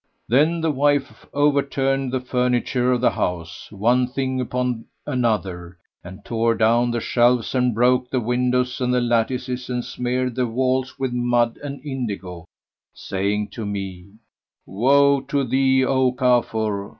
Then the wife overturned the furniture of the house, one thing upon another, and tore down the shelves and broke the windows and the lattices and smeared the walls with mud and indigo, saying to me, "Woe to thee, O Kafur!